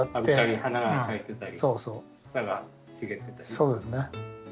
そうですね。